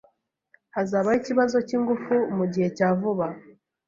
Hazabaho ikibazo cyingufu mugihe cya vuba.